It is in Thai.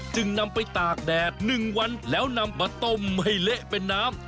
จึงนำไปตากแดด๑วันแล้วนำมาต้มให้เละเป็นน้ำ